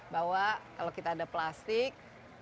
bahwa kalau kita ada plastik